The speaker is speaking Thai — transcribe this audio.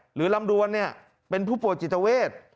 หรือลำดวนเนี่ยเป็นผู้ป่วยจิตเวท